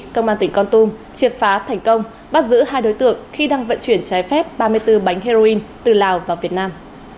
công an tỉnh con tum triệt phá thành công bắt giữ hai đối tượng khi đang vận chuyển trái phép ba mươi bốn bánh heroin từ lào vào việt nam